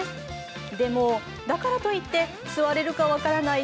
でも、だからといって座れるか分からない